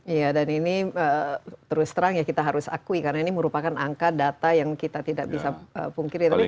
iya dan ini terus terang ya kita harus akui karena ini merupakan angka data yang kita tidak bisa pungkiri